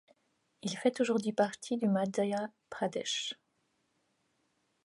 Il fait aujourd'hui partie du Madhya Pradesh.